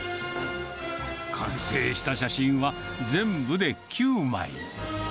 完成した写真は、全部で９枚。